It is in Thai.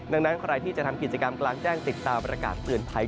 ดังนั้นใครที่จะทำกิจกรรมกลางแจ้งติดตามประกาศเตือนภัย